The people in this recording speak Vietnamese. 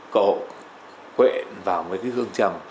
cậu quẹn vào với cái hương trầm